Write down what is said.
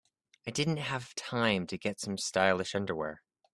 I didn't have time to get some stylish underwear.